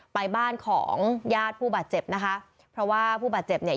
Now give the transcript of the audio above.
ไปบ้านของญาติผู้บาดเจ็บนะคะเพราะว่าผู้บาดเจ็บเนี่ย